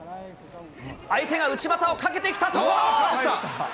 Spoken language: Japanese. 相手が内股をかけてきたところ、返した。